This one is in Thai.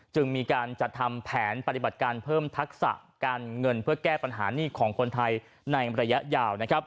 จึงมีการจัดทำแผนปฏิบัติการเพิ่มทักษะการเงินเพื่อแก้ปัญหาหนี้ของคนไทยในระยะยาว